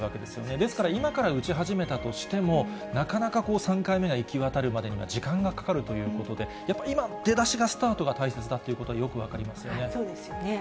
ですから、今から打ち始めたとしても、なかなか３回目が行き渡るまでには時間がかかるということで、やっぱり今、出だしが、スタートが大切だということがよく分かりそうですよね。